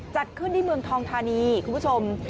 จัดขึ้นที่เมืองทองธานีคุณผู้ชม